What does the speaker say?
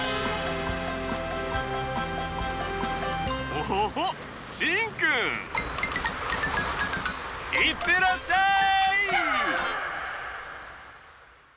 おっしんくん！いってらっしゃい！